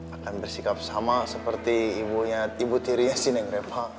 akan bersikap sama seperti ibu tirinya si neng repa